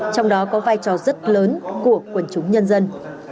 trong đó có vai trò rất lớn của quần chúng nhân dân